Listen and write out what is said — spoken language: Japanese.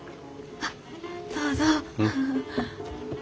あっどうぞ。